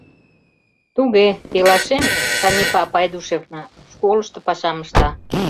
— Туге, пелашем, Санепа Пайдушевна, школышто пашам ышта.